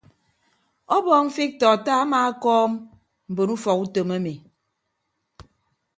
Ọbọọñ fiktọ attah amaakọọm mbon ufọk utom emi.